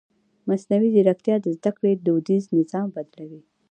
مصنوعي ځیرکتیا د زده کړې دودیز نظام بدلوي.